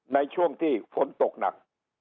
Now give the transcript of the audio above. ในช่วงที่ฝนตกหนัก